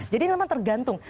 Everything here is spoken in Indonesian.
jadi ini memang tergantung